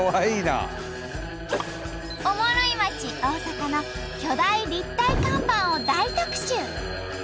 おもろい街大阪の巨大立体看板を大特集！